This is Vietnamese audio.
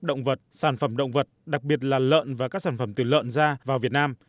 động vật sản phẩm động vật đặc biệt là lợn và các sản phẩm từ lợn ra vào việt nam